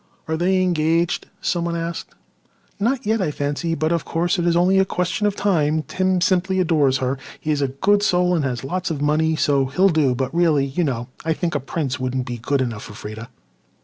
"Are they engaged?" someone asked. "Not yet, I fancy. But of course it is only a question of time. Tim simply adores her. He is a good soul and has lots of money, so he'll do. But really, you know, I think a prince wouldn't be good enough for Freda."